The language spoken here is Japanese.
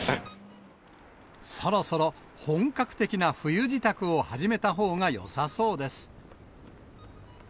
そろそろ本格的な冬支度を始めたほうがよさそうです。